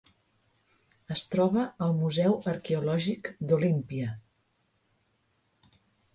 Es troba al Museu Arqueològic d'Olímpia.